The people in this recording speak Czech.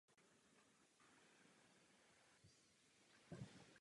V současnosti obývá i kokosové plantáže.